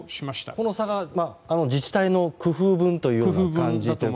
この差が自治体の工夫分という感じだと。